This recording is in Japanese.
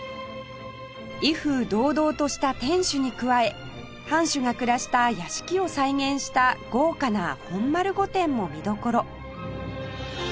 威風堂々とした天守に加え藩主が暮らした屋敷を再現した豪華な本丸御殿も見どころ